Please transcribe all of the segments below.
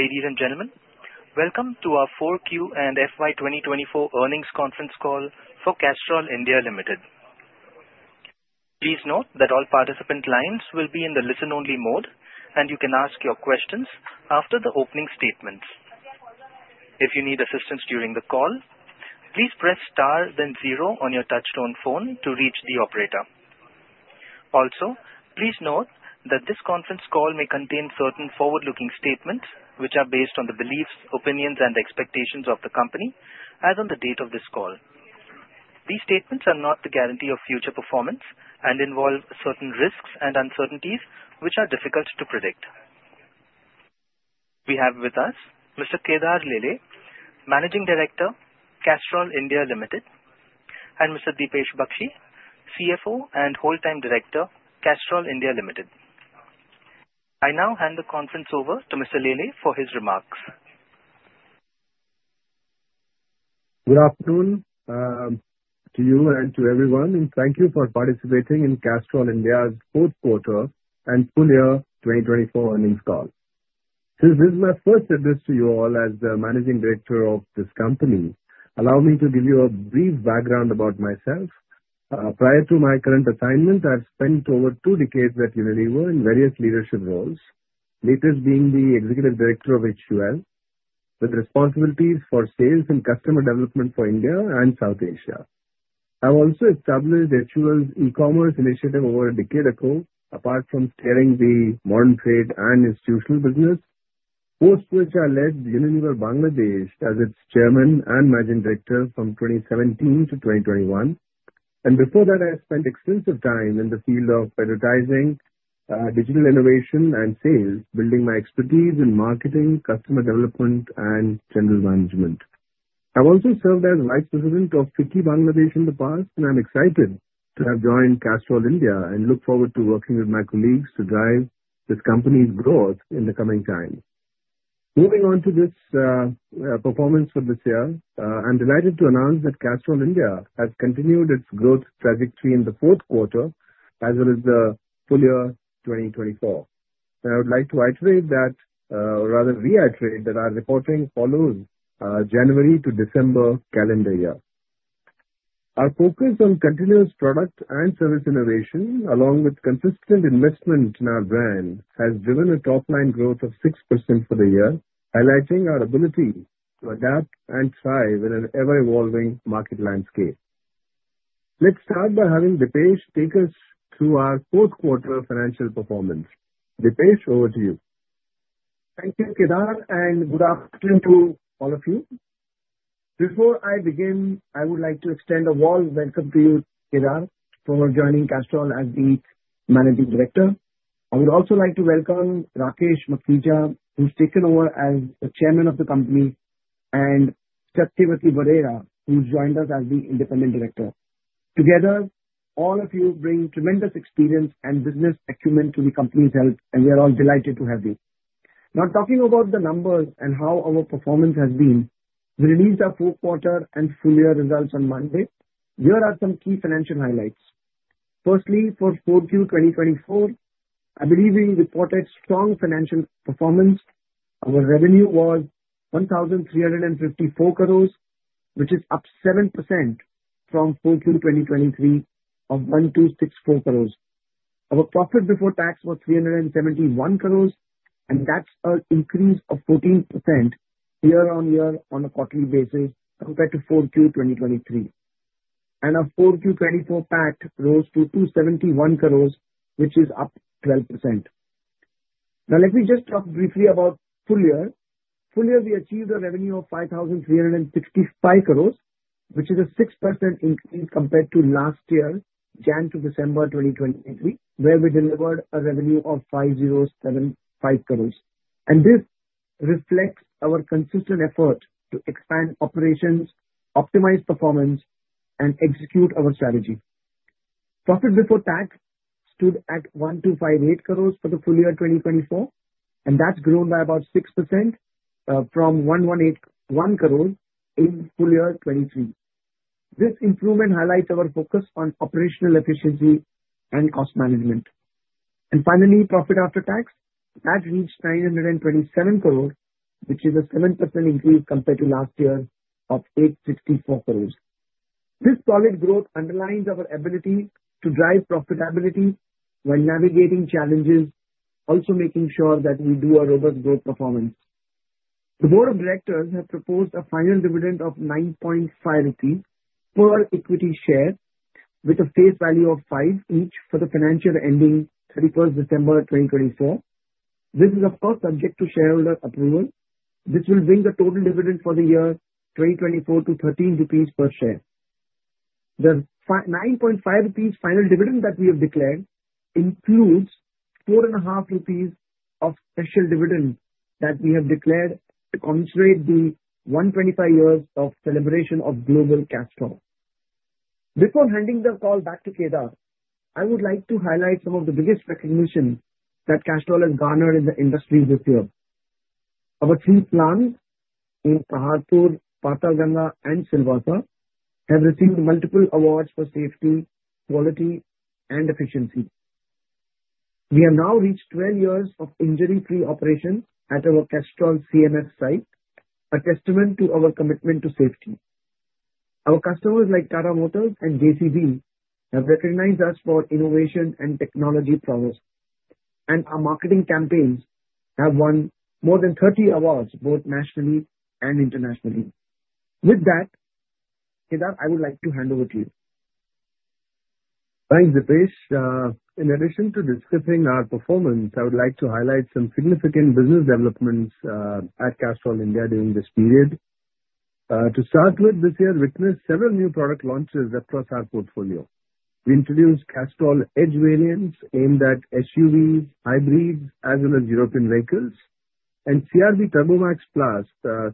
Ladies and gentlemen, welcome to our Q4 and FY 2024 Earnings Conference Call for Castrol India Limited. Please note that all participant lines will be in the listen-only mode, and you can ask your questions after the opening statements. If you need assistance during the call, please press star, then zero on your touch-tone phone to reach the operator. Also, please note that this conference call may contain certain forward-looking statements which are based on the beliefs, opinions, and expectations of the company as of the date of this call. These statements are not the guarantee of future performance and involve certain risks and uncertainties which are difficult to predict. We have with us Mr. Kedar Lele, Managing Director, Castrol India Limited, and Mr. Deepesh Baxi, CFO and Whole Time Director, Castrol India Limited. I now hand the conference over to Mr. Lele for his remarks. Good afternoon to you and to everyone, and thank you for participating in Castrol India's Q4 and Full Year 2024 Earnings Call. Since this is my first address to you all as the Managing Director of this company, allow me to give you a brief background about myself. Prior to my current assignment, I've spent over two decades at Unilever in various leadership roles, latest being the Executive Director of HUL, with responsibilities for sales and customer development for India and South Asia. I also established HUL's e-commerce initiative over a decade ago, apart from steering the modern trade and institutional business, post which I led Unilever Bangladesh as its Chairman and Managing Director from 2017 to 2021. And before that, I spent extensive time in the field of advertising, digital innovation, and sales, building my expertise in marketing, customer development, and general management. I've also served as Vice President of PT Bangladesh in the past, and I'm excited to have joined Castrol India and look forward to working with my colleagues to drive this company's growth in the coming time. Moving on to this performance for this year, I'm delighted to announce that Castrol India has continued its growth trajectory in the Q4 as well as the full year 2024. I would like to iterate that, or rather reiterate that our reporting follows January to December calendar year. Our focus on continuous product and service innovation, along with consistent investment in our brand, has driven a top-line growth of 6% for the year, highlighting our ability to adapt and thrive in an ever-evolving market landscape. Let's start by having Deepesh take us through our Q4 financial performance. Deepesh, over to you. Thank you, Kedar, and good afternoon to all of you. Before I begin, I would like to extend a warm welcome to you, Kedar, for joining Castrol as the Managing Director. I would also like to welcome Rakesh Makhija, who's taken over as the Chairman of the company, and Satyavati Berera, who's joined us as the Independent Director. Together, all of you bring tremendous experience and business acumen to the company's health, and we are all delighted to have you. Now, talking about the numbers and how our performance has been, we released our Q4 and full year results on Monday. Here are some key financial highlights. Firstly, for Q4 2024, I believe we reported strong financial performance. Our revenue was 1,354 crores, which is up 7% from Q4 2023 of 1,264 crores. Our profit before tax was 371 crores, and that's an increase of 14% year-on-year on a quarterly basis compared to Q4 2023, and our Q4 2024 PAT rose to 271 crores, which is up 12%. Now, let me just talk briefly about full year. Full year, we achieved a revenue of 5,365 crores, which is a 6% increase compared to last year, January to December 2023, where we delivered a revenue of 5,075 crores, and this reflects our consistent effort to expand operations, optimize performance, and execute our strategy. Profit before tax stood at 1,258 crores for the full year 2024, and that's grown by about 6% from 1,181 crores in full year 2023. This improvement highlights our focus on operational efficiency and cost management, and finally, profit after tax, that reached 927 crores, which is a 7% increase compared to last year of 864 crores. This solid growth underlines our ability to drive profitability when navigating challenges, also making sure that we do a robust growth performance. The Board of Directors has proposed a final dividend of 9.50 rupees per equity share, with a face value of five each for the financial ending 31 December 2024. This is, of course, subject to shareholder approval. This will bring the total dividend for the year 2024 to 13 rupees per share. The 9.50 rupees final dividend that we have declared includes 4.50 rupees of special dividend that we have declared to commemorate the 125 years of celebration of global Castrol. Before handing the call back to Kedar, I would like to highlight some of the biggest recognition that Castrol has garnered in the industry this year. Our three plants in Paharpur, Patalganga, and Silvassa have received multiple awards for safety, quality, and efficiency. We have now reached 12 years of injury-free operations at our Castrol CMS site, a testament to our commitment to safety. Our customers like Tata Motors and JCB have recognized us for innovation and technology prowess, and our marketing campaigns have won more than 30 awards both nationally and internationally. With that, Kedar, I would like to hand over to you. Thanks, Deepesh. In addition to discussing our performance, I would like to highlight some significant business developments at Castrol India during this period. To start with, this year witnessed several new product launches across our portfolio. We introduced Castrol EDGE variants aimed at SUVs, hybrids, as well as European vehicles, and CRB TurboMax Plus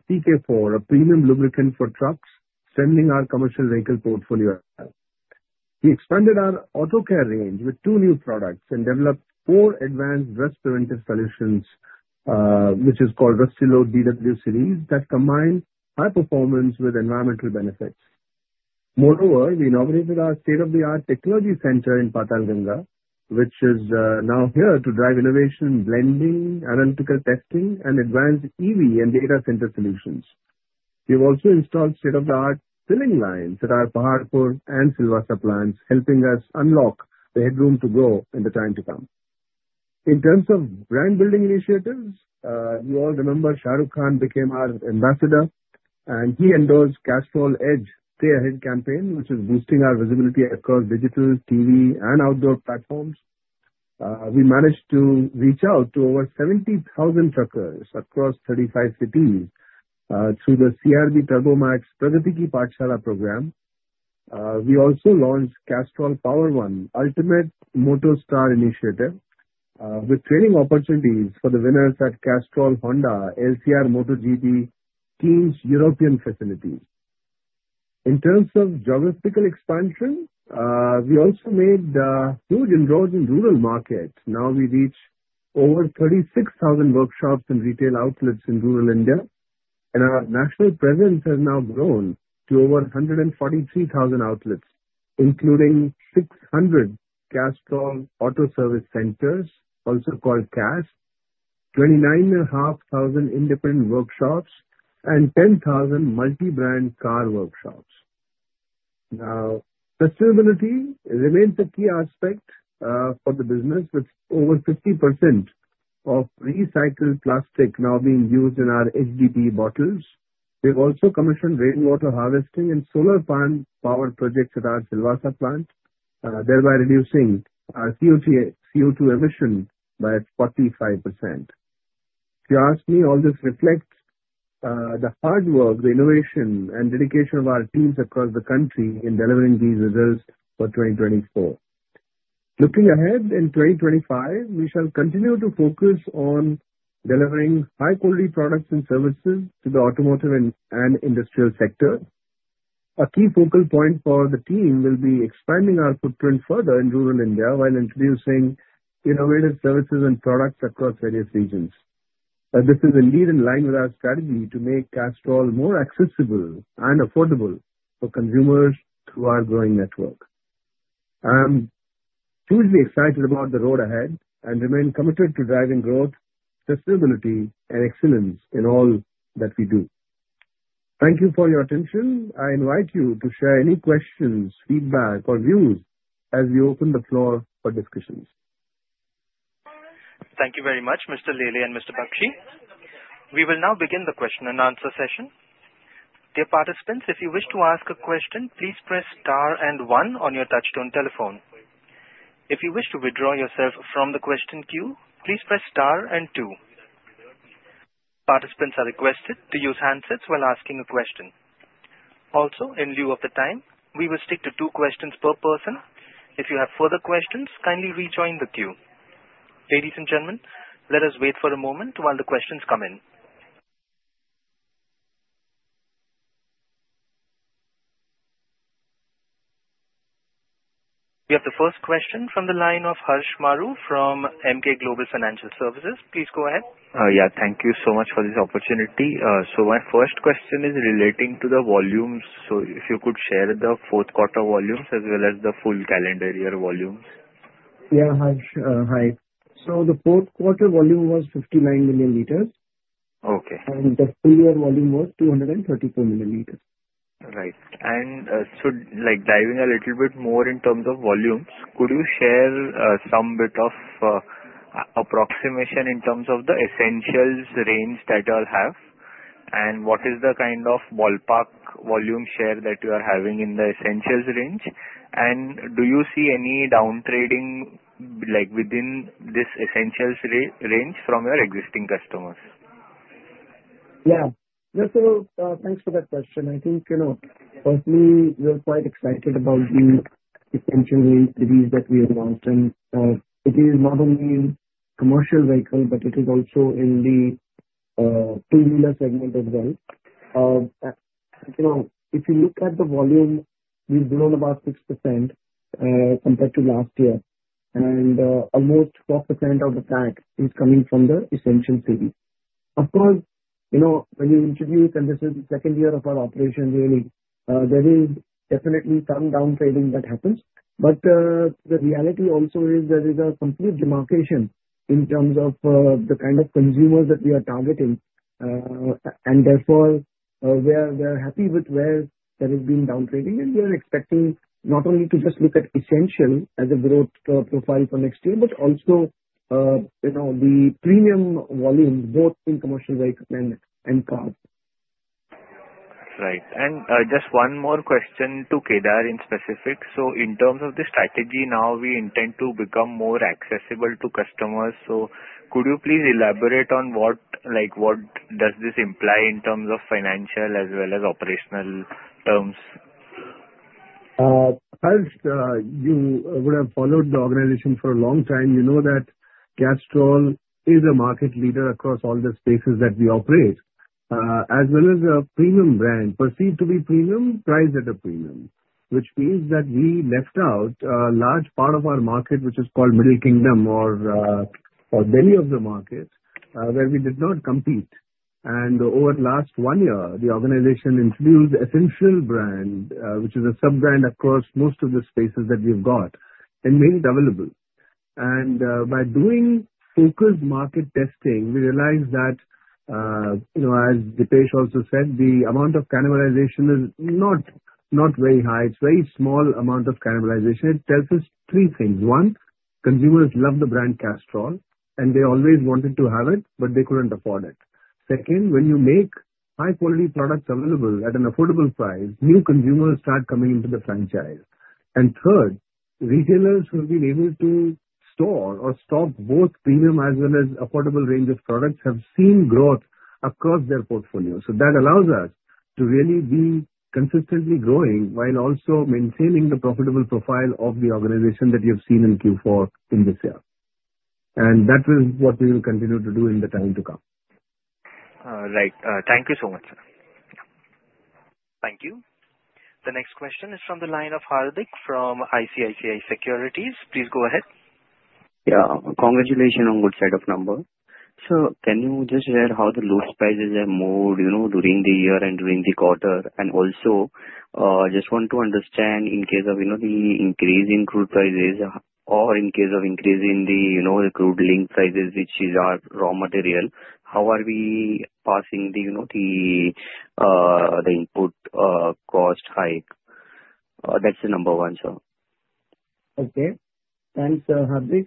CK-4, a premium lubricant for trucks, extending our commercial vehicle portfolio. We expanded our auto care range with two new products and developed four advanced rust preventive solutions, which is called Rustilo DW series, that combine high performance with environmental benefits. Moreover, we inaugurated our state-of-the-art technology center in Patalganga, which is now here to drive innovation, blending, analytical testing, and advanced EV and data center solutions. We have also installed state-of-the-art filling lines at our Paharpur and Silvassa plants, helping us unlock the headroom to grow in the time to come. In terms of brand-building initiatives, you all remember Shah Rukh Khan became our ambassador, and he endorsed Castrol EDGE's Stay Ahead campaign, which is boosting our visibility across digital, TV, and outdoor platforms. We managed to reach out to over 70,000 truckers across 35 cities through the CRB Turbomax Pragati Ki Paathshala program. We also launched Castrol POWER1 Ultimate Motorstar initiative, with training opportunities for the winners at Castrol, Honda, LCR, MotoGP, Teams, European facilities. In terms of geographical expansion, we also made a huge enrollment in the rural market. Now we reach over 36,000 workshops and retail outlets in rural India, and our national presence has now grown to over 143,000 outlets, including 600 Castrol Auto Service centers, also called CAS, 29,500 independent workshops, and 10,000 multi-brand car workshops. Now, sustainability remains a key aspect for the business, with over 50% of recycled plastic now being used in our HDPE bottles. We have also commissioned rainwater harvesting and solar farm power projects at our Silvassa plant, thereby reducing our CO2 emission by 45%. If you ask me, all this reflects the hard work, the innovation, and dedication of our teams across the country in delivering these results for 2024. Looking ahead in 2025, we shall continue to focus on delivering high-quality products and services to the automotive and industrial sector. A key focal point for the team will be expanding our footprint further in rural India while introducing innovative services and products across various regions. This is in line with our strategy to make Castrol more accessible and affordable for consumers through our growing network. I'm hugely excited about the road ahead and remain committed to driving growth, sustainability, and excellence in all that we do. Thank you for your attention. I invite you to share any questions, feedback, or views as we open the floor for discussions. Thank you very much, Mr. Lele and Mr. Baxi. We will now begin the question-and-answer session. Dear participants, if you wish to ask a question, please press star and one on your touch-tone telephone. If you wish to withdraw yourself from the question queue, please press star and two. Participants are requested to use handsets while asking a question. Also, in lieu of the time, we will stick to two questions per person. If you have further questions, kindly rejoin the queue. Ladies and gentlemen, let us wait for a moment while the questions come in. We have the first question from the line of Harsh Maru from Emkay Global Financial Services. Please go ahead. Yeah, thank you so much for this opportunity. So my first question is relating to the volumes. So if you could share the Q4 volumes as well as the full calendar year volumes? Yeah, Harsh, hi. So the Q4 volume was 59 million liters. And the full year volume was 234 million liters. Right. And so diving a little bit more in terms of volumes, could you share some bit of approximation in terms of the Essential series that you all have? And what is the kind of ballpark volume share that you are having in the ESSENTIAL series? And do you see any downtrading within this ESSENTIAL series from your existing customers? Yeah. So thanks for that question. I think, you know, personally, we are quite excited about the ESSENTIAL range that we have launched. And it is not only in commercial vehicles, but it is also in the two-wheeler segment as well. If you look at the volume, we've grown about 6% compared to last year. And almost 4% of that is coming from the ESSENTIAL series. Of course, you know, when you introduce, and this is the second year of our operation, really, there is definitely some downtrading that happens. But the reality also is there is a complete demarcation in terms of the kind of consumers that we are targeting. And therefore, we are happy with where there has been downtrading. We are expecting not only to just look at ESSENTIALS as a growth profile for next year, but also the premium volume, both in commercial vehicles and cars. That's right. And just one more question to Kedar specifically. So in terms of the strategy, now we intend to become more accessible to customers. So could you please elaborate on what does this imply in terms of financial as well as operational terms? First, you would have followed the organization for a long time. You know that Castrol is a market leader across all the spaces that we operate, as well as a premium brand, perceived to be premium, priced at a premium, which means that we left out a large part of our market, which is called Middle Kingdom or many of the markets, where we did not compete, and over the last one year, the organization introduced the ESSENTIAL brand, which is a sub-brand across most of the spaces that we've got, and made it available, and by doing focused market testing, we realized that, as Deepesh also said, the amount of cannibalization is not very high. It's a very small amount of cannibalization. It tells us three things. One, consumers love the brand Castrol, and they always wanted to have it, but they couldn't afford it. Second, when you make high-quality products available at an affordable price, new consumers start coming into the franchise, and third, retailers who have been able to store or stock both premium as well as affordable range of products have seen growth across their portfolio, so that allows us to really be consistently growing while also maintaining the profitable profile of the organization that you have seen in Q4 in this year, and that is what we will continue to do in the time to come. Right. Thank you so much. Thank you. The next question is from the line of Hardik from ICICI Securities. Please go ahead. Yeah. Congratulations on good set of numbers. So can you just share how the lube prices are moved during the year and during the quarter? And also, I just want to understand in case of the increase in crude prices or in case of increasing the crude-linked prices, which is our raw material, how are we passing the input cost hike? That's the number one, sir. Okay. Thanks, Hardik.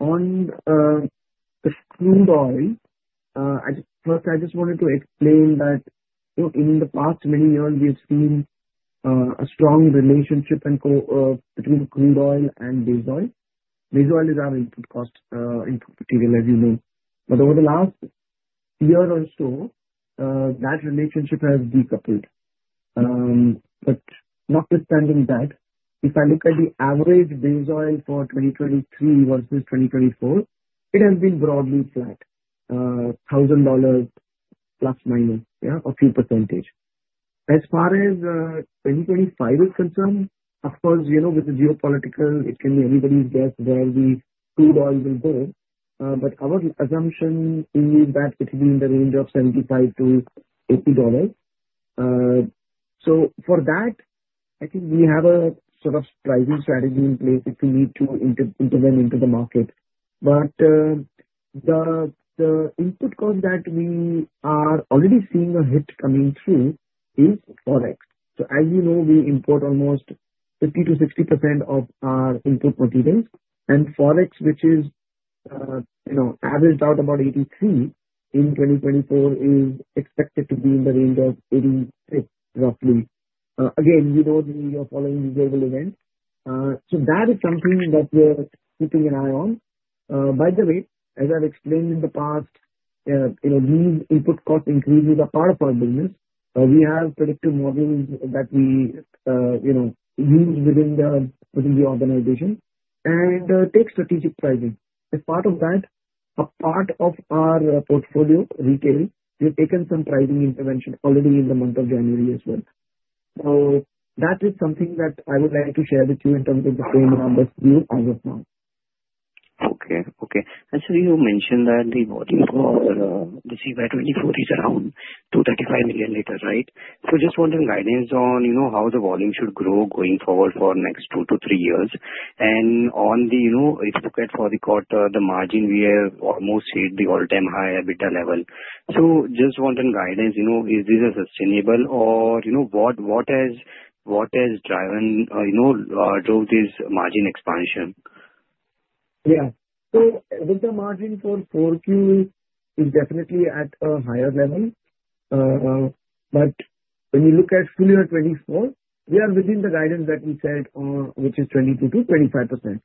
On the crude oil, first, I just wanted to explain that in the past many years, we've seen a strong relationship between crude oil and diesel. Diesel is our input cost material, as you know. But over the last year or so, that relationship has decoupled. But notwithstanding that, if I look at the average diesel for 2023 versus 2024, it has been broadly flat, $1,000 plus minus, a few percentage. As far as 2025 is concerned, of course, with the geopolitical, it can be anybody's guess where the crude oil will go. But our assumption is that it will be in the range of $75-$80. So for that, I think we have a sort of pricing strategy in place if we need to intervene into the market. But the input cost that we are already seeing a hit coming through is forex. So as you know, we import almost 50%-60% of our input materials. And forex, which is averaged out about 83 in 2024, is expected to be in the range of 86, roughly. Again, we know that we are following global events. So that is something that we're keeping an eye on. By the way, as I've explained in the past, these input cost increases are part of our business. We have predictive models that we use within the organization and take strategic pricing. As part of that, a part of our portfolio, retail, we have taken some pricing intervention already in the month of January as well. So that is something that I would like to share with you in terms of the premium numbers view as of now. Okay. Actually, you mentioned that the volume for the CY 24 is around 235 million liters, right? So just wanting guidance on how the volume should grow going forward for the next two to three years. And if you look at for the quarter, the margin, we have almost hit the all-time high EBITDA level. So just wanting guidance, is this sustainable, or what has driven or drove this margin expansion? Yeah. So EBITDA margin for Q4 is definitely at a higher level. But when you look at full year 2024, we are within the guidance that we said, which is 22%-25%.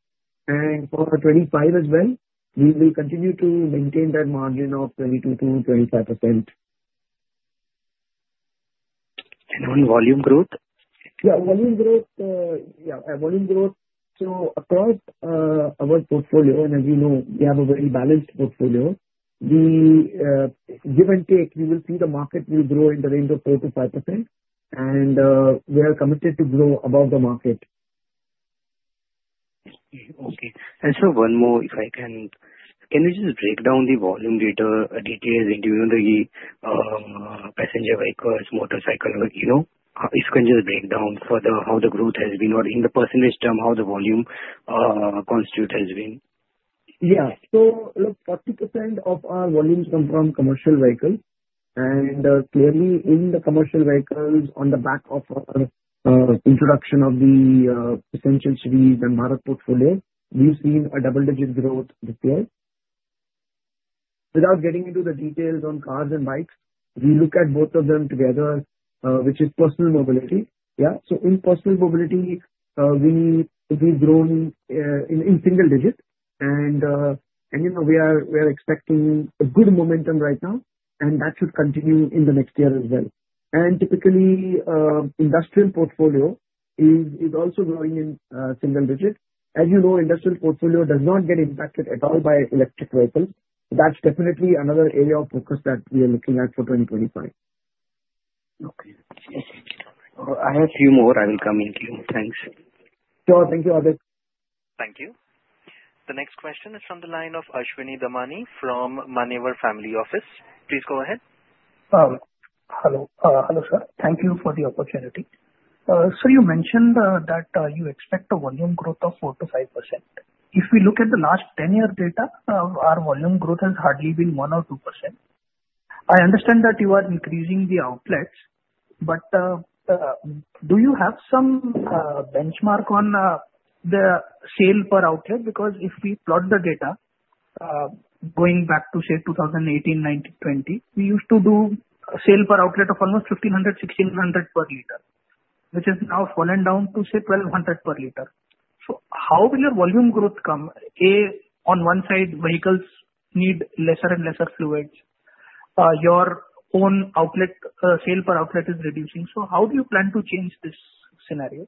And for 2025 as well, we will continue to maintain that margin of 22%-25%. On volume growth? Yeah, volume growth. So across our portfolio, and as you know, we have a very balanced portfolio. Give or take, we will see the market will grow in the range of 4%-5%. And we are committed to grow above the market. Okay. And so one more, if I can, can you just break down the volume details into the passenger vehicles, motorcycle, or you know? If you can just break down how the growth has been or in the percentage term, how the volume constitutes has been? Yeah. So look, 40% of our volumes come from commercial vehicles, and clearly, in the commercial vehicles, on the back of our introduction of the ESSENTIAL series and product portfolio, we've seen a double-digit growth this year. Without getting into the details on cars and bikes, we look at both of them together, which is personal mobility. Yeah, so in personal mobility, we've grown in single digit, and we are expecting a good momentum right now. And that should continue in the next year as well, and typically, industrial portfolio is also growing in single digit. As you know, industrial portfolio does not get impacted at all by electric vehicles. That's definitely another area of focus that we are looking at for 2025. Okay. I have a few more. I will come in to you. Thanks. Sure. Thank you, Hardik. Thank you. The next question is from the line of Ashwini Damani from Manyavar Family Office. Please go ahead. Hello. Hello, sir. Thank you for the opportunity. So you mentioned that you expect a volume growth of 4%-5%. If we look at the last 10-year data, our volume growth has hardly been one or two%. I understand that you are increasing the outlets. But do you have some benchmark on the sale per outlet? Because if we plot the data, going back to, say, 2018, 2020, we used to do a sale per outlet of almost 1,500-1,600 per liter, which has now fallen down to, say, 1,200 per liter. So how will your volume growth come? A, on one side, vehicles need lesser and lesser fluids. Your own outlet, sale per outlet is reducing. So how do you plan to change this scenario?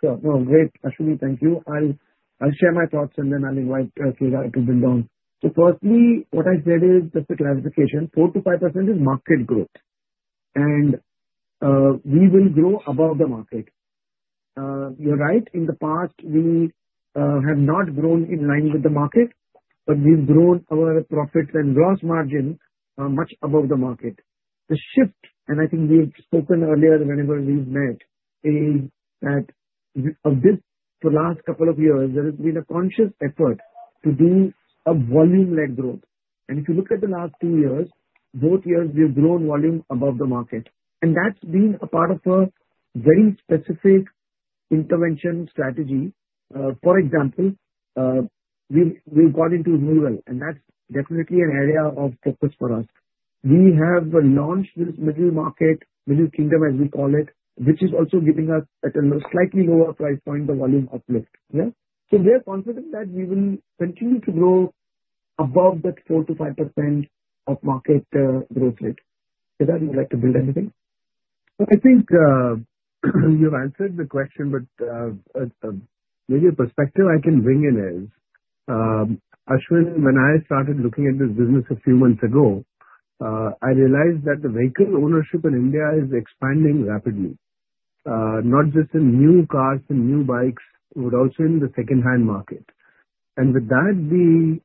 Sure. No, great. Ashwini, thank you. I'll share my thoughts, and then I'll invite Kedar to build on. So firstly, what I said is just a clarification. 4%-5% is market growth. And we will grow above the market. You're right. In the past, we have not grown in line with the market, but we've grown our profits and gross margin much above the market. The shift, and I think we've spoken earlier whenever we've met, is that for the last couple of years, there has been a conscious effort to do a volume-led growth. And if you look at the last two years, both years, we've grown volume above the market. And that's been a part of a very specific intervention strategy. For example, we've gone into renewable. And that's definitely an area of focus for us. We have launched this middle market, middle kingdom, as we call it, which is also giving us at a slightly lower price point, the volume uplift. Yeah. So we are confident that we will continue to grow above that 4%-5% of market growth rate. Kedar, you would like to build anything? So I think you've answered the question, but maybe a perspective I can bring in is, Ashwini, when I started looking at this business a few months ago, I realized that the vehicle ownership in India is expanding rapidly, not just in new cars and new bikes, but also in the second-hand market. And with that,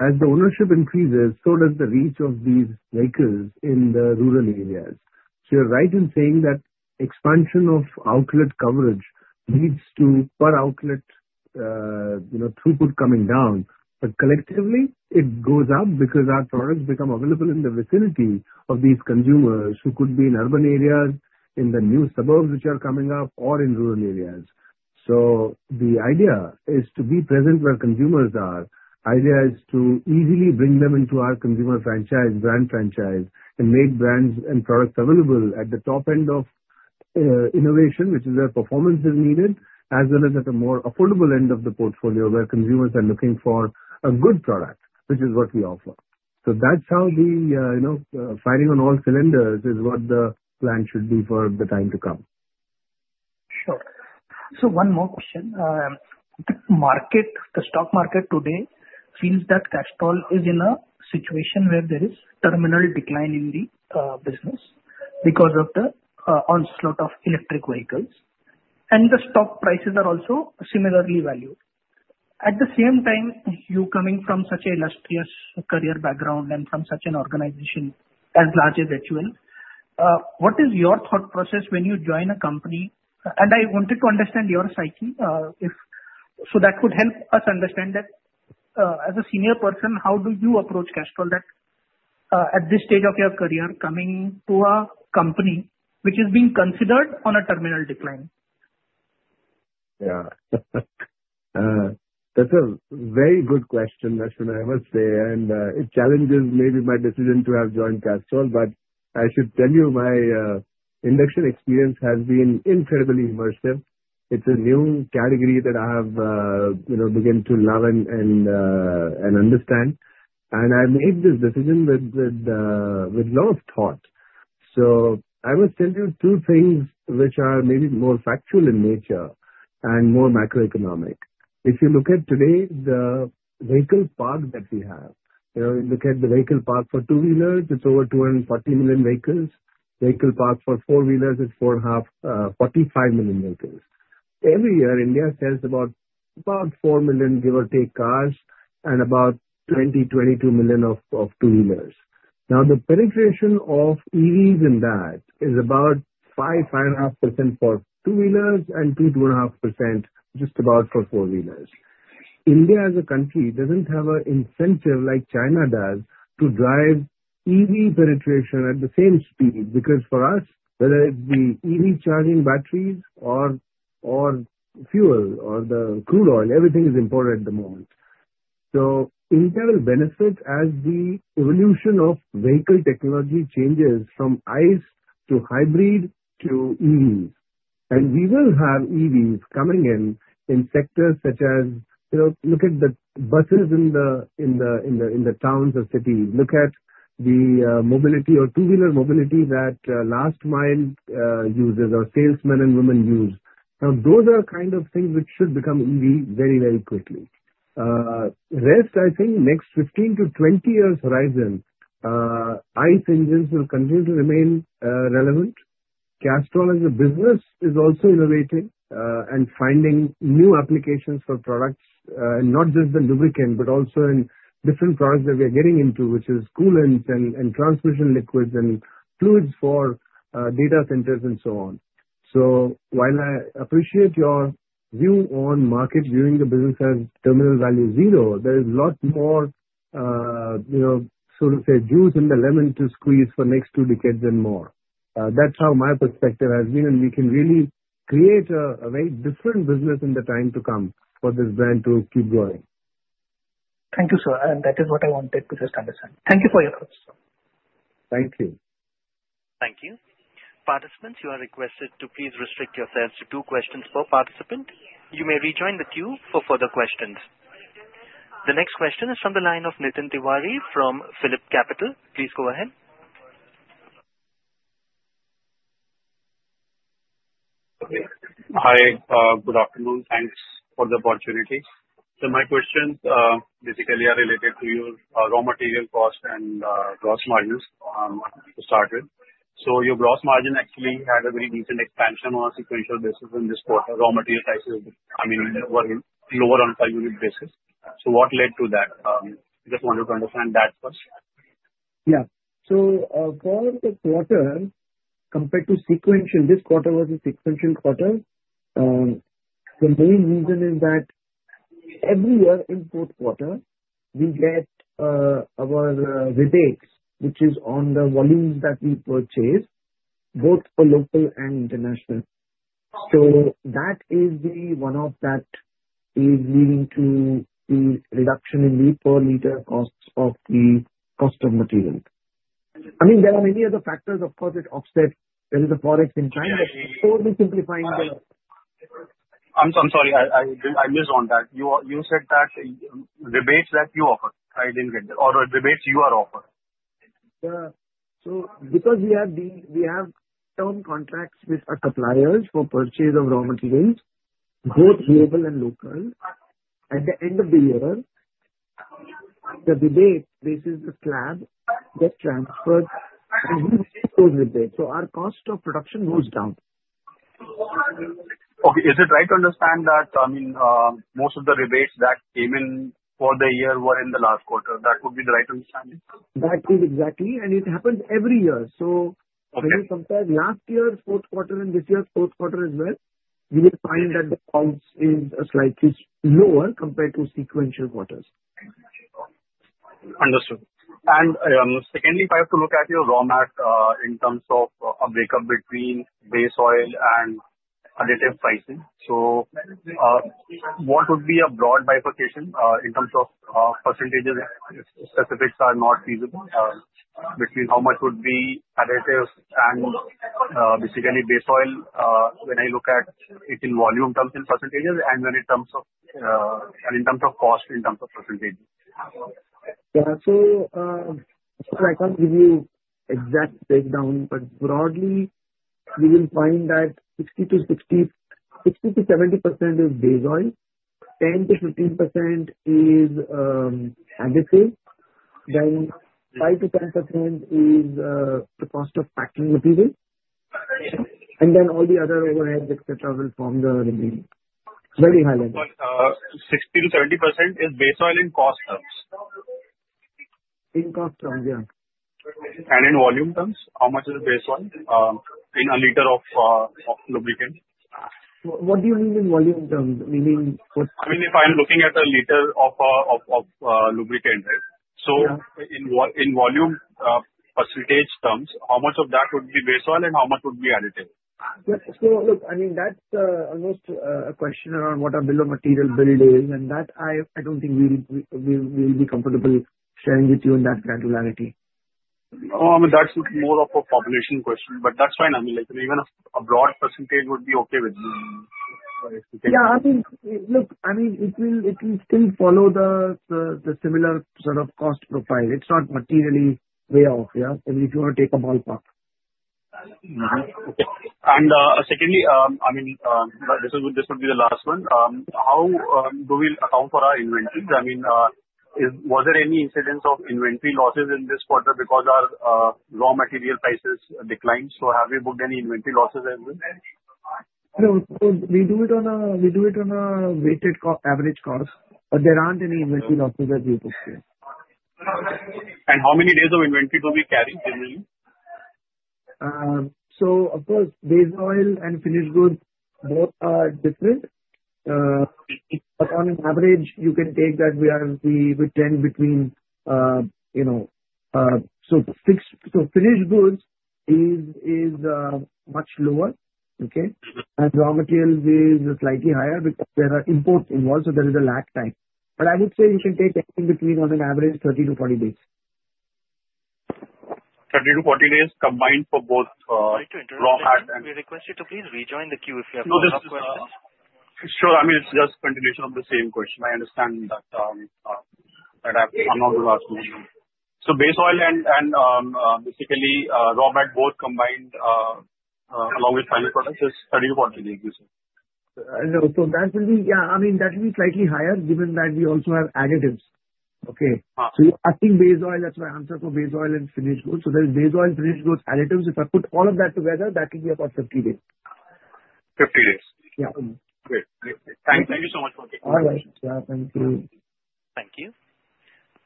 as the ownership increases, so does the reach of these vehicles in the rural areas. So you're right in saying that expansion of outlet coverage leads to per outlet throughput coming down. But collectively, it goes up because our products become available in the vicinity of these consumers who could be in urban areas, in the new suburbs which are coming up, or in rural areas. So the idea is to be present where consumers are. The idea is to easily bring them into our consumer franchise, brand franchise, and make brands and products available at the top end of innovation, which is where performance is needed, as well as at a more affordable end of the portfolio where consumers are looking for a good product, which is what we offer. So that's how the firing on all cylinders is what the plan should be for the time to come. Sure. So one more question. The stock market today feels that Castrol is in a situation where there is terminal decline in the business because of the onslaught of electric vehicles. And the stock prices are also similarly valued. At the same time, you coming from such an illustrious career background and from such an organization as large as Unilever, what is your thought process when you join a company? And I wanted to understand your psyche. So that would help us understand that as a senior person, how do you approach Castrol at this stage of your career coming to a company which is being considered on a terminal decline? Yeah. That's a very good question, Ashwini. I must say, and it challenges maybe my decision to have joined Castrol. But I should tell you my induction experience has been incredibly immersive. It's a new category that I have begun to love and understand, and I made this decision with a lot of thought. So I must tell you two things which are maybe more factual in nature and more macroeconomic. If you look at today, the vehicle park that we have, you look at the vehicle park for two-wheelers, it's over 240 million vehicles. Vehicle park for four-wheelers, it's 45 million vehicles. Every year, India sells about four million, give or take, cars and about 20-22 million of two-wheelers. Now, the penetration of EVs in that is about 5-5.5% for two-wheelers and 2-2.5% just about for four-wheelers. India, as a country, doesn't have an incentive like China does to drive EV penetration at the same speed because for us, whether it be EV charging batteries or fuel or the crude oil, everything is imported at the moment. So India will benefit as the evolution of vehicle technology changes from ICE to hybrid to EVs. And we will have EVs coming in in sectors such as look at the buses in the towns or cities. Look at the mobility or two-wheeler mobility that last-mile users or salesmen and women use. Now, those are kind of things which should become EV very, very quickly. Rest, I think, next 15-20 years' horizon, ICE engines will continue to remain relevant. Castrol, as a business, is also innovating and finding new applications for products, not just the lubricant, but also in different products that we are getting into, which is coolants and transmission liquids and fluids for data centers and so on. So while I appreciate your view on market viewing the business as terminal value zero, there is a lot more, so to say, juice in the lemon to squeeze for the next two decades and more. That's how my perspective has been. And we can really create a very different business in the time to come for this brand to keep growing. Thank you, sir. That is what I wanted to just understand. Thank you for your thoughts. Thank you. Thank you. Participants, you are requested to please restrict yourselves to two questions per participant. You may rejoin the queue for further questions. The next question is from the line of Nitin Tiwari from PhillipCapital. Please go ahead. Hi. Good afternoon. Thanks for the opportunity. So my questions basically are related to your raw material cost and gross margins to start with. So your gross margin actually had a very decent expansion on a sequential basis in this quarter. Raw material prices, I mean, were lower on a per-unit basis. So what led to that? I just wanted to understand that first. Yeah. So for the quarter, compared to sequential, this quarter was a sequential quarter. The main reason is that every year in Q4, we get our rebates, which is on the volumes that we purchase, both for local and international. So that is one of that is leading to the reduction in the per-liter costs of the custom material. I mean, there are many other factors. Of course, it offsets there is a forex in China. But before we simplify the. I'm sorry. I missed on that. You said that rebates that you offer. I didn't get that. Or rebates you are offered. So because we have term contracts with our suppliers for purchase of raw materials, both global and local, at the end of the year, the rebate basis is the slab gets transferred to those rebates. So our cost of production goes down. Okay. Is it right to understand that, I mean, most of the rebates that came in for the year were in the last quarter? That would be the right understanding? That is exactly. And it happens every year. So when you compare last year's Q4 and this year's Q4 as well, you will find that the cost is slightly lower compared to sequential quarters. Understood. And secondly, if I have to look at your raw material in terms of a breakup between base oil and additive pricing, so what would be a broad bifurcation in terms of percentages if specifics are not feasible between how much would be additives and basically base oil when I look at it in volume terms and percentages and when it comes to and in terms of cost in terms of percentage? Yeah. So I can't give you exact breakdown. But broadly, you will find that 60%-70% is base oil, 10%-15% is additive, then 5%-10% is the cost of packing material. And then all the other overheads, etc., will form the remaining very high level. 60%-70% is base oil in cost terms? In cost terms, yeah. In volume terms, how much is base oil in a liter of lubricant? What do you mean in volume terms? Meaning what? I mean, if I'm looking at a liter of lubricant, right? So in volume percentage terms, how much of that would be base oil and how much would be additive? Yeah. So look, I mean, that's almost a question around what our bill of material build is. And that, I don't think we will be comfortable sharing with you in that granularity. Oh, I mean, that's more of a population question. But that's fine. I mean, even a broad percentage would be okay with me. Yeah. I mean, look, I mean, it will still follow the similar sort of cost profile. It's not materially way off, yeah, if you want to take a ballpark. Secondly, I mean, this would be the last one. How do we account for our inventory? I mean, was there any incidence of inventory losses in this quarter because our raw material prices declined, so have we booked any inventory losses as well? No. So we do it on a weighted average cost. But there aren't any inventory losses as we appreciate. How many days of inventory do we carry generally? Of course, base oil and finished goods both are different. On an average, you can take that finished goods is much lower, okay? Raw materials is slightly higher because there are imports involved. There is a lag time. I would say you can take anything between, on an average, 30 to 40 days. 30 to 40 days combined for both raw and. Nitin, we request you to please rejoin the queue if you have further questions. Sure. I mean, it's just continuation of the same question. I understand that I'm not the last one. So base oil and basically raw mat both combined along with final products is 30-40 days, you said? No. So that will be yeah. I mean, that will be slightly higher given that we also have additives, okay? So I think base oil, that's my answer for base oil and finished goods. So there's base oil, finished goods, additives. If I put all of that together, that will be about 50 days. 50 days. Yeah. Great. Thank you so much for taking the time. All right. Yeah. Thank you. Thank you.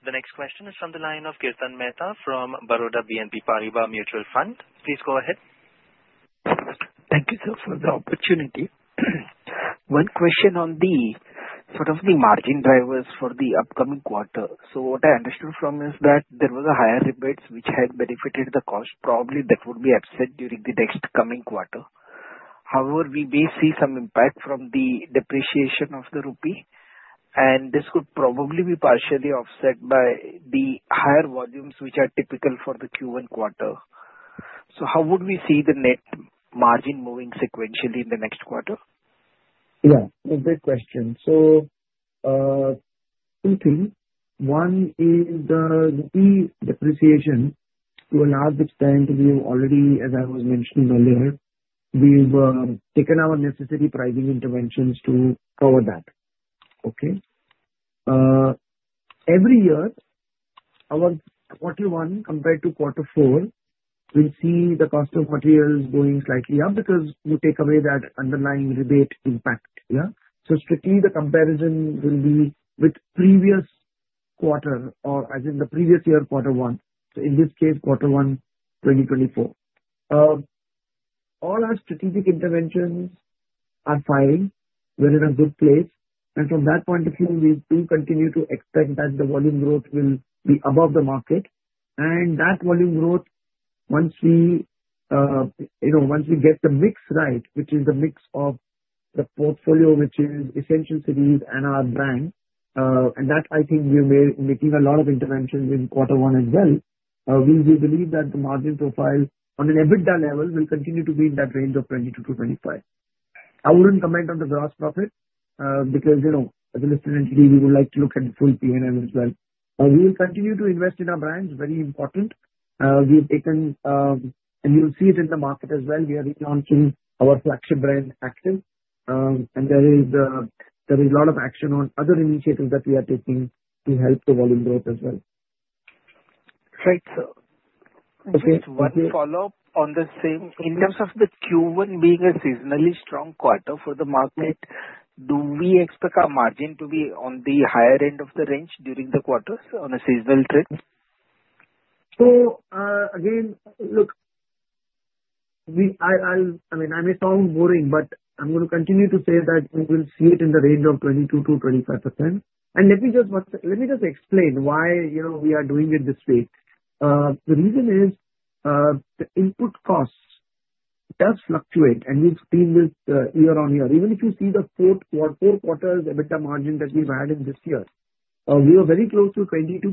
The next question is from the line of Kirtan Mehta from Baroda BNP Paribas Mutual Fund. Please go ahead. Thank you, sir, for the opportunity. One question on the sort of margin drivers for the upcoming quarter. So what I understood from this is that there were higher rebates which had benefited the cost. Probably that would be absent during the next coming quarter. However, we may see some impact from the depreciation of the rupee. And this could probably be partially offset by the higher volumes which are typical for the Q1 quarter. So how would we see the net margin moving sequentially in the next quarter? Yeah. It's a great question. So two things. One is the depreciation to a large extent we have already, as I was mentioning earlier, we've taken our necessary pricing interventions to cover that, okay? Every year, our quarter one compared to quarter four, we'll see the cost of materials going slightly up because we take away that underlying rebate impact, yeah? So strictly, the comparison will be with previous quarter or as in the previous year Q1. So in this case, Q1 2024. All our strategic interventions are firing. We're in a good place. And from that point of view, we do continue to expect that the volume growth will be above the market. That volume growth, once we get the mix right, which is the mix of the portfolio which is ESSENTIALS, cities and our brand, and that I think we're making a lot of interventions in Q1 as well, we believe that the margin profile on an EBITDA level will continue to be in that range of 22%-25%. I wouldn't comment on the gross profit because as a listener, we would like to look at the full P&L as well. We will continue to invest in our brands. Very important. We have taken and you'll see it in the market as well. We are launching our flagship brand, Activ. There is a lot of action on other initiatives that we are taking to help the volume growth as well. Right. So one follow-up on the same. In terms of the Q1 being a seasonally strong quarter for the market, do we expect our margin to be on the higher end of the range during the quarters on a seasonal trend? So again, look, I mean, I may sound boring, but I'm going to continue to say that we will see it in the range of 22%-25%. And let me just explain why we are doing it this way. The reason is the input costs does fluctuate. And we've seen this year on year. Even if you see the four quarters EBITDA margin that we've had in this year, we were very close to 22%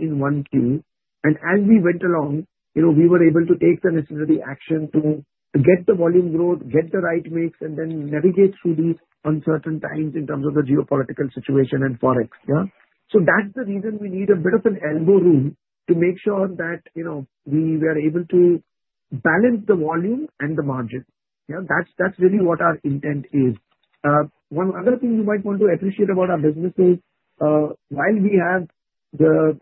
in one Q. And as we went along, we were able to take the necessary action to get the volume growth, get the right mix, and then navigate through these uncertain times in terms of the geopolitical situation and forex, yeah? So that's the reason we need a bit of an elbow room to make sure that we are able to balance the volume and the margin, yeah? That's really what our intent is. One other thing you might want to appreciate about our business is while we have the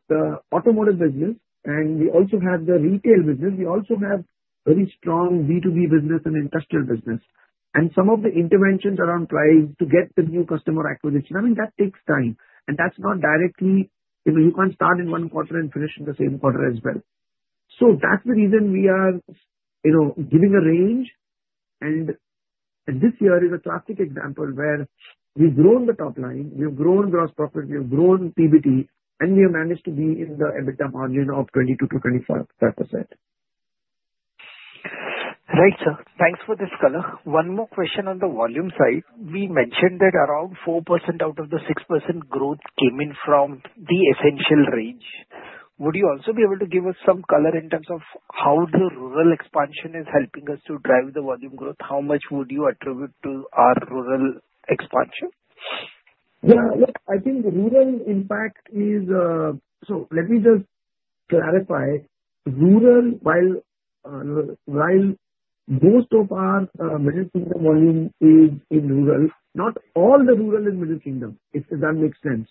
automotive business and we also have the retail business, we also have a very strong B2B business and industrial business. And some of the interventions around price to get the new customer acquisition, I mean, that takes time. And that's not directly you can't start in one quarter and finish in the same quarter as well. So that's the reason we are giving a range. And this year is a classic example where we've grown the top line. We have grown gross profit. We have grown PBT. And we have managed to be in the EBITDA margin of 22%-25%. Right, sir. Thanks for this color. One more question on the volume side. We mentioned that around 4% out of the 6% growth came in from the ESSENTIAL range. Would you also be able to give us some color in terms of how the rural expansion is helping us to drive the volume growth? How much would you attribute to our rural expansion? Yeah. Look, I think the rural impact is, so let me just clarify. Rural, while most of our Middle Kingdom volume is in rural, not all the rural is Middle Kingdom, if that makes sense,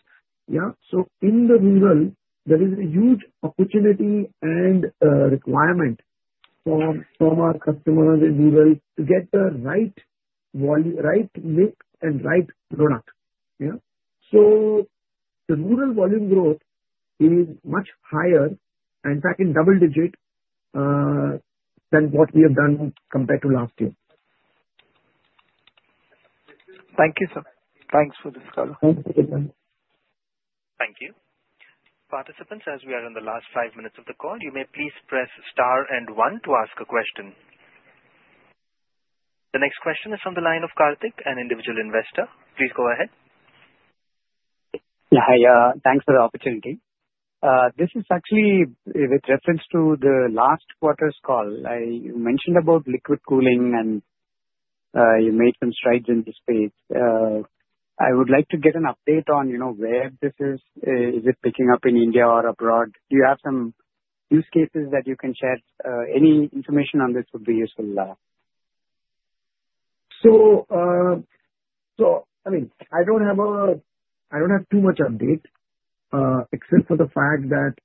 yeah? So in the rural, there is a huge opportunity and requirement from our customers in rural to get the right mix and right product, yeah? So the rural volume growth is much higher, in fact, in double digit than what we have done compared to last year. Thank you, sir. Thanks for this color. Thank you, Kirtan. Thank you. Participants, as we are in the last five minutes of the call, you may please press star and one to ask a question. The next question is from the line of Karthik, an individual investor. Please go ahead. Hi. Thanks for the opportunity. This is actually with reference to the last quarter's call. You mentioned about liquid cooling, and you made some strides in this space. I would like to get an update on where this is. Is it picking up in India or abroad? Do you have some use cases that you can share? Any information on this would be useful. I mean, I don't have too much update except for the fact that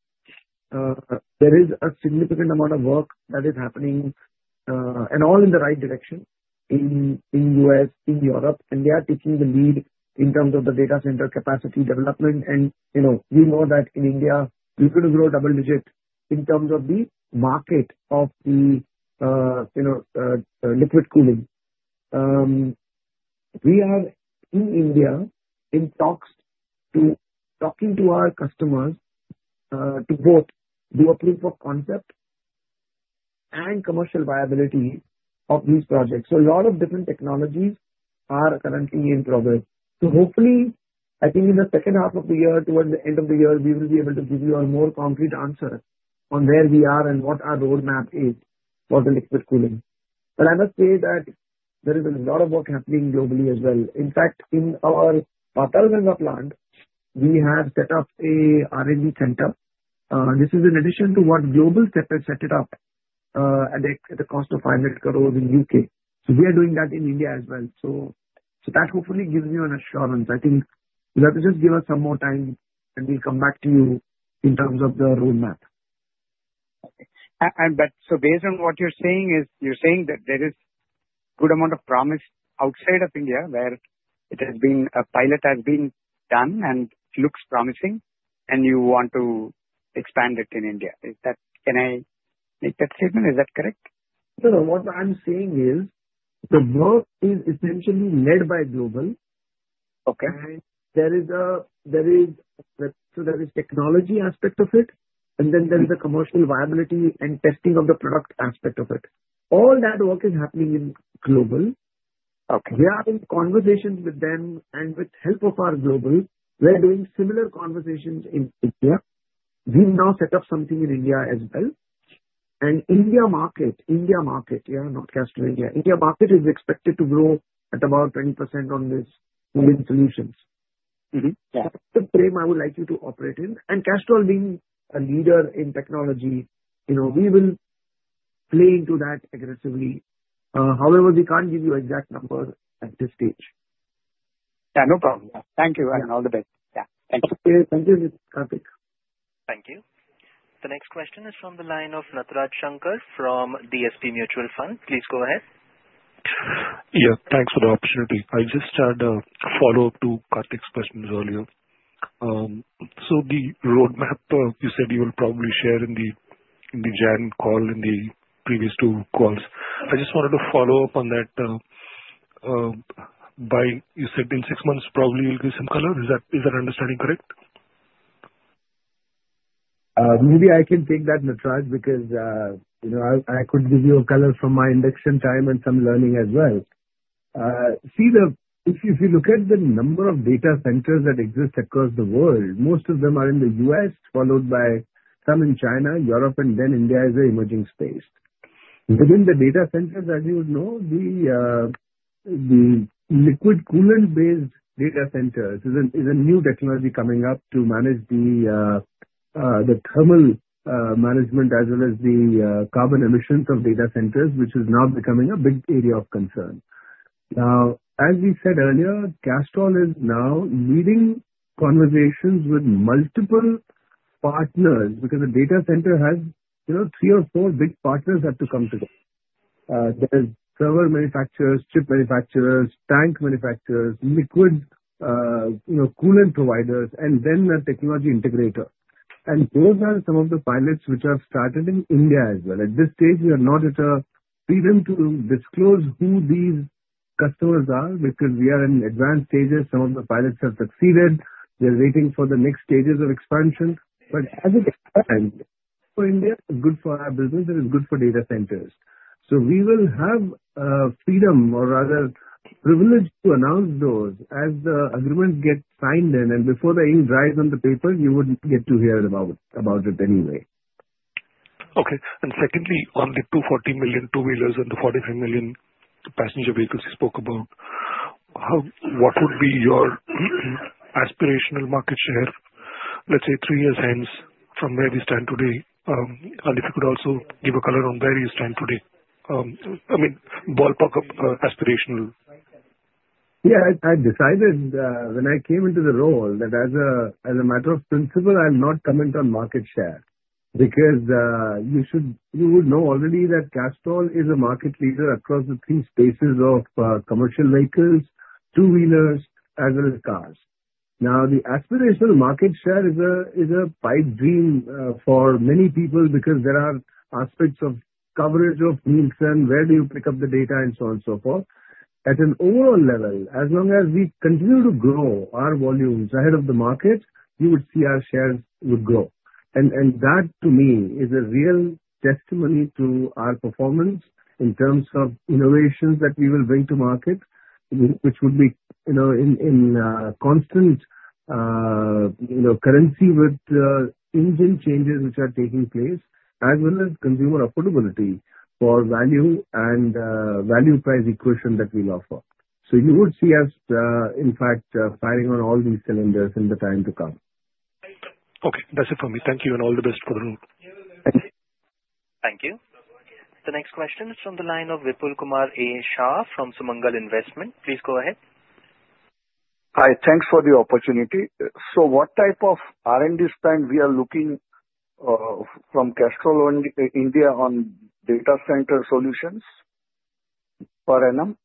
there is a significant amount of work that is happening, and all in the right direction, in the U.S., in Europe. They are taking the lead in terms of the data center capacity development. We know that in India, we're going to grow double-digit in terms of the market of the liquid cooling. We are in India, in talks, talking to our customers to both do a proof of concept and commercial viability of these projects. A lot of different technologies are currently in progress. Hopefully, I think in the second half of the year, towards the end of the year, we will be able to give you a more concrete answer on where we are and what our roadmap is for the liquid cooling. But I must say that there is a lot of work happening globally as well. In fact, in our Patalganga plant, we have set up an R&D center. This is in addition to what Global Step has set it up at the cost of 500 crores in the U.K. So we are doing that in India as well. So that hopefully gives you an assurance. I think you have to just give us some more time, and we'll come back to you in terms of the roadmap. But so, based on what you're saying, is you're saying that there is a good amount of promise outside of India where it has been a pilot has been done and looks promising, and you want to expand it in India. Can I make that statement? Is that correct? No. No. What I'm saying is the work is essentially led by Global. And there is, so there is a technology aspect of it. And then there is the commercial viability and testing of the product aspect of it. All that work is happening in Global. We are in conversations with them. And with help of our Global, we're doing similar conversations in India. We've now set up something in India as well. And India market, India market, yeah, not Castrol India, India market is expected to grow at about 20% on these cooling solutions. That's the frame I would like you to operate in. And Castrol, being a leader in technology, we will play into that aggressively. However, we can't give you exact numbers at this stage. Yeah. No problem. Yeah. Thank you. And all the best. Yeah. Thank you. Okay. Thank you, Karthik. Thank you. The next question is from the line of Natraj Sankaranarayan from DSP Mutual Fund. Please go ahead. Yeah. Thanks for the opportunity. I just had a follow-up to Karthik's questions earlier. So the roadmap, you said you will probably share in the January call, in the previous two calls. I just wanted to follow up on that. You said in six months, probably you'll give some color. Is that understanding correct? Maybe I can take that, Natraj, because I could give you a color from my induction time and some learning as well. See, if you look at the number of data centers that exist across the world, most of them are in the U.S., followed by some in China, Europe, and then India as an emerging space. Within the data centers, as you know, the liquid coolant-based data centers is a new technology coming up to manage the thermal management as well as the carbon emissions of data centers, which is now becoming a big area of concern. Now, as we said earlier, Castrol is now leading conversations with multiple partners because a data center has three or four big partners that have to come together. There's server manufacturers, chip manufacturers, tank manufacturers, liquid coolant providers, and then a technology integrator. Those are some of the pilots which have started in India as well. At this stage, we are not at a freedom to disclose who these customers are because we are in advanced stages. Some of the pilots have succeeded. They're waiting for the next stages of expansion. As it expands, good for our business and good for data centers. We will have freedom or rather privilege to announce those as the agreements get signed in. Before they even dry on the paper, you wouldn't get to hear about it anyway. Okay. And secondly, on the 240 million two-wheelers and the 45 million passenger vehicles you spoke about, what would be your aspirational market share, let's say, three years hence from where we stand today? And if you could also give a color on where you stand today, I mean, ballpark of aspirational? Yeah. I decided when I came into the role that as a matter of principle, I'll not comment on market share because you would know already that Castrol is a market leader across the three spaces of commercial vehicles, two-wheelers, as well as cars. Now, the aspirational market share is a pipe dream for many people because there are aspects of coverage of means and where do you pick up the data and so on and so forth. At an overall level, as long as we continue to grow our volumes ahead of the market, you would see our shares would grow. And that, to me, is a real testimony to our performance in terms of innovations that we will bring to market, which would be in constant currency with engine changes which are taking place, as well as consumer affordability for value and value-price equation that we offer. So you would see us, in fact, firing on all these cylinders in the time to come. Okay. That's it for me. Thank you. And all the best for the road. Thank you. The next question is from the line of Vipulkumar A. Shah from Sumangal Investment. Please go ahead. Hi. Thanks for the opportunity. So what type of R&D spend we are looking from Castrol India on data center solutions per annum?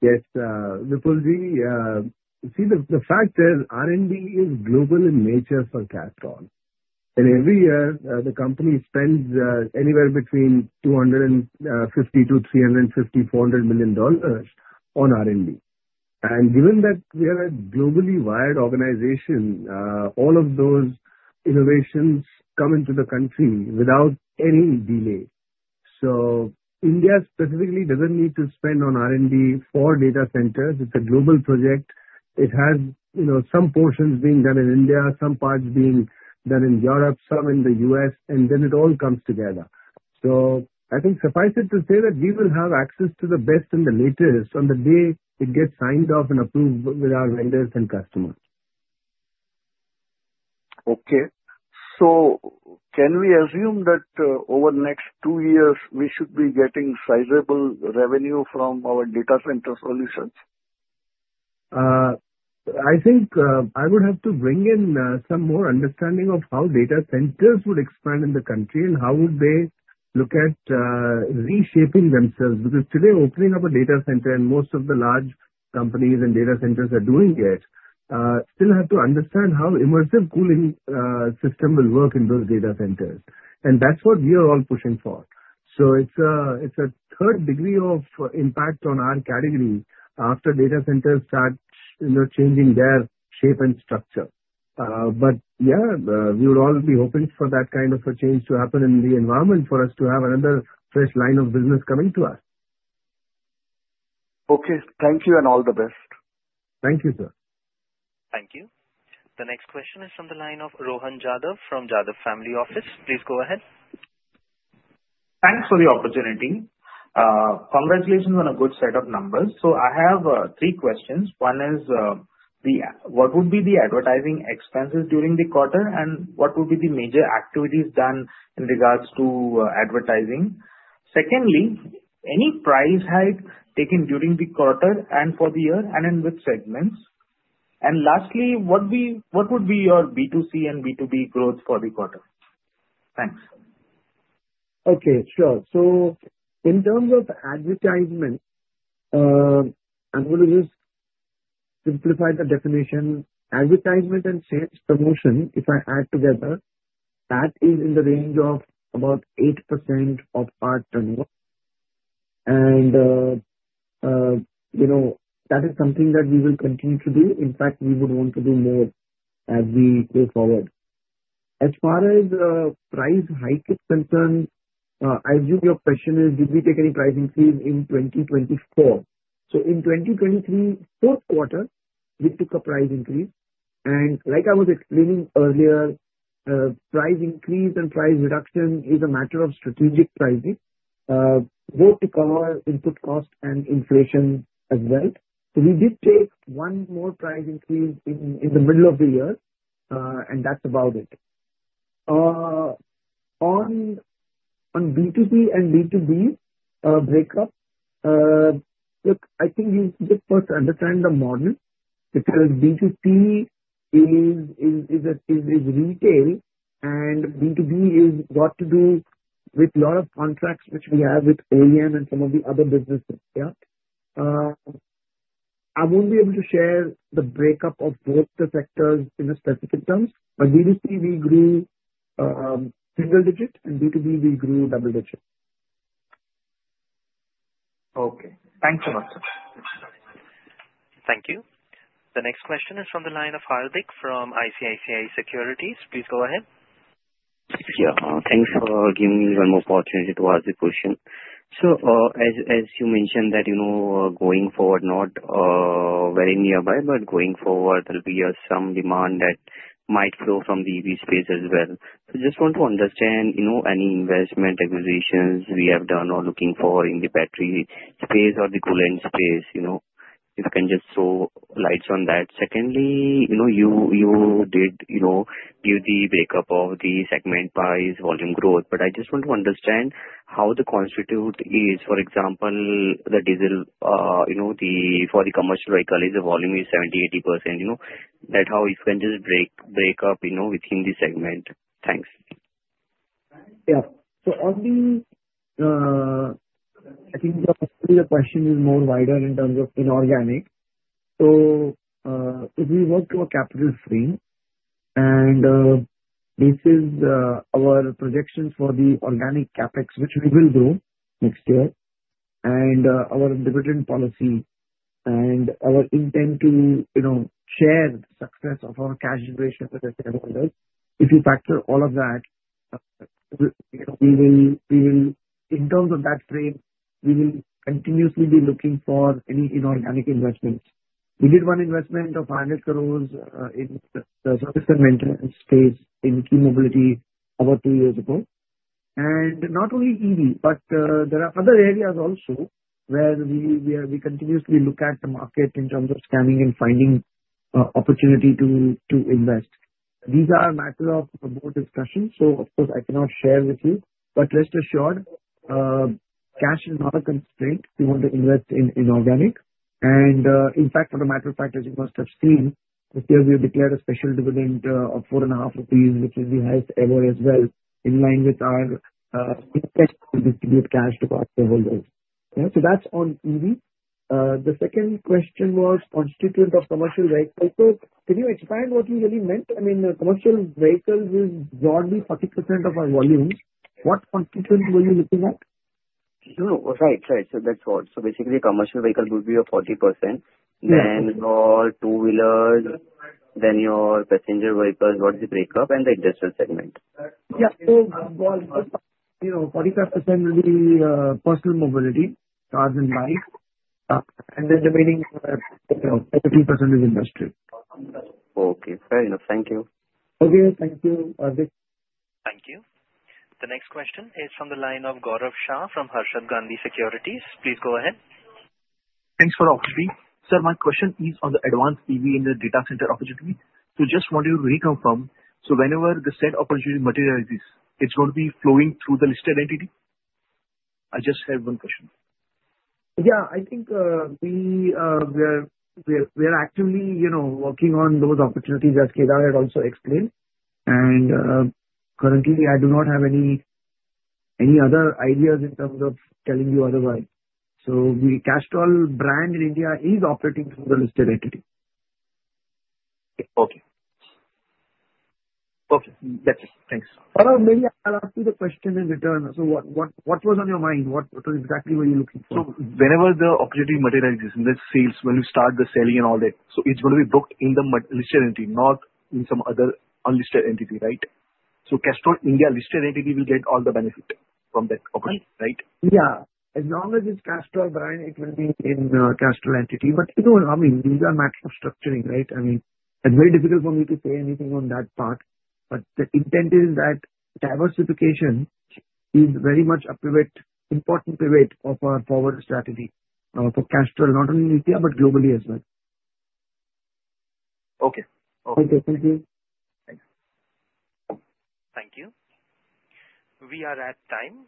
Yes. Vipul, see, the fact is R&D is global in nature for Castrol. And every year, the company spends anywhere between $250-$350 or $400 million on R&D. And given that we are a globally wired organization, all of those innovations come into the country without any delay. So India specifically doesn't need to spend on R&D for data centers. It's a global project. It has some portions being done in India, some parts being done in Europe, some in the US. And then it all comes together. So I think suffice it to say that we will have access to the best and the latest on the day it gets signed off and approved with our vendors and customers. Okay. So can we assume that over the next two years, we should be getting sizable revenue from our data center solutions? I think I would have to bring in some more understanding of how data centers would expand in the country and how would they look at reshaping themselves. Because today, opening up a data center and most of the large companies and data centers are doing it, still have to understand how immersion cooling system will work in those data centers. And that's what we are all pushing for. So it's a third degree of impact on our category after data centers start changing their shape and structure. But yeah, we would all be hoping for that kind of a change to happen in the environment for us to have another fresh line of business coming to us. Okay. Thank you and all the best. Thank you, sir. Thank you. The next question is from the line of Rohan Jadhav from Jadhav Family Office. Please go ahead. Thanks for the opportunity. Congratulations on a good set of numbers. So I have three questions. One is, what would be the advertising expenses during the quarter? And what would be the major activities done in regards to advertising? Secondly, any price hike taken during the quarter and for the year and in which segments? And lastly, what would be your B2C and B2B growth for the quarter? Thanks. Okay. Sure. So in terms of advertisement, I'm going to just simplify the definition. Advertisement and sales promotion, if I add together, that is in the range of about 8% of our turnover. And that is something that we will continue to do. In fact, we would want to do more as we go forward. As far as price hike is concerned, I assume your question is, did we take any price increase in 2024? So in 2023, Q4, we took a price increase. And like I was explaining earlier, price increase and price reduction is a matter of strategic pricing, both to cover input cost and inflation as well. So we did take one more price increase in the middle of the year, and that's about it. On B2C and B2B breakup, look, I think you just have to understand the model because B2C is retail, and B2B is got to do with a lot of contracts which we have with OEM and some of the other businesses. Yeah. I won't be able to share the breakup of both the sectors in specific terms. But B2C, we grew single digit, and B2B, we grew double digit. Okay. Thanks a lot, sir. Thank you. The next question is from the line of Hardik from ICICI Securities. Please go ahead. Yeah. Thanks for giving me one more opportunity to ask the question. So as you mentioned that going forward, not very nearby, but going forward, there'll be some demand that might flow from the EV space as well. So just want to understand any investment acquisitions we have done or looking for in the battery space or the coolant space. If you can just throw lights on that. Secondly, you did give the breakup of the segment by volume growth. But I just want to understand how the constitute is. For example, the diesel for the commercial vehicle is a volume 70-80%. That how it can just break up within the segment. Thanks. Yeah. So I think your question is more wider in terms of inorganic. So if we work to a capital stream, and this is our projections for the organic CapEx, which we will grow next year, and our dividend policy, and our intent to share the success of our cash generation with the stakeholders, if you factor all of that, in terms of that frame, we will continuously be looking for any inorganic investments. We did one investment of 100 crores in the service and maintenance space in Ki Mobility over two years ago. And not only EV, but there are other areas also where we continuously look at the market in terms of scanning and finding opportunity to invest. These are matters of more discussion. So, of course, I cannot share with you. But rest assured, cash is not a constraint. We want to invest in inorganic. In fact, as a matter of fact, as you must have seen, this year we have declared a special dividend of 4.5 rupees, which will be held over as well in line with our intent to distribute cash to our stakeholders. So that's on EV. The second question was constituent of commercial vehicles. So can you expand what you really meant? I mean, commercial vehicles is broadly 40% of our volume. What constituent were you looking at? So basically, commercial vehicles would be your 40%, then your two-wheelers, then your passenger vehicles. What is the breakup? And the industrial segment. Yeah. So 45% will be personal mobility, cars and bikes. And then remaining 15% is industry. Okay. Fair enough. Thank you. Okay. Thank you, Hardik. Thank you. The next question is from the line of Gaurav Shah from Harshad Gandhi Securities. Please go ahead. Thanks for the opportunity. Sir, my question is on the advanced EV in the data center opportunity. So just want you to reconfirm. So whenever the said opportunity materializes, it's going to be flowing through the listed entity? I just have one question. Yeah. I think we are actively working on those opportunities, as Kedar had also explained, and currently, I do not have any other ideas in terms of telling you otherwise, so the Castrol brand in India is operating through the listed entity. Okay. Okay. That's it. Thanks. Maybe I'll ask you the question in return. So what was on your mind? What exactly were you looking for? So whenever the opportunity materializes, when it sells, when we start the selling and all that, so it's going to be booked in the listed entity, not in some other unlisted entity, right? So Castrol India listed entity will get all the benefit from that opportunity, right? Yeah. As long as it's Castrol brand, it will be in Castrol entity. But I mean, these are matters of structuring, right? I mean, it's very difficult for me to say anything on that part. But the intent is that diversification is very much a pivot, important pivot of our forward strategy for Castrol, not only in India, but globally as well. Okay. Okay. Thank you. Thanks. Thank you. We are at time.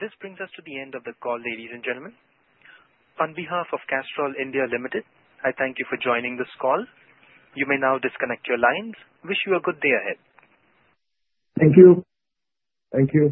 This brings us to the end of the call, ladies and gentlemen. On behalf of Castrol India Limited, I thank you for joining this call. You may now disconnect your lines. Wish you a good day ahead. Thank you. Thank you.